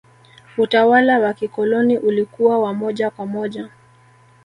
utawala wa kikoloni ulikuwa wa moja kwa moja